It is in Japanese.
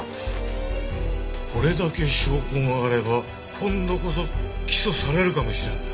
これだけ証拠があれば今度こそ起訴されるかもしれんな。